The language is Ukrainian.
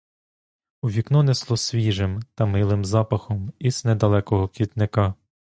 У вікно несло свіжим та милим запахом із недалекого квітника.